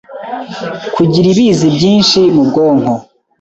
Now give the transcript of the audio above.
Kugira ibizi byinshi mu bwonko